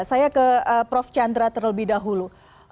saya ke prof chandra terlebih dahulu